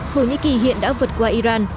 thổ nhĩ kỳ hiện đã vượt qua iran